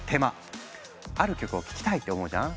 ある曲を聴きたいって思うじゃん？